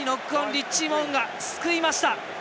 リッチー・モウンガが救いました！